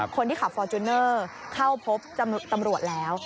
คนที่ขับฟอร์จูเนอร์เข้าพบตำรวจแล้ว